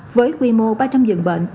với quy mô ba trăm linh dựng bệnh